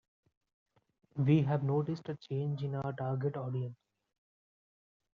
We have noticed a change in our target audience.